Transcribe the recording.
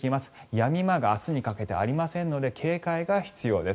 やみ間が明日にかけてありませんので警戒が必要です。